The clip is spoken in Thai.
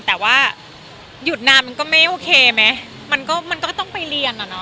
แต่ว่าหยุดนานมันก็ไม่โอเคไหมมันก็ต้องไปเรียน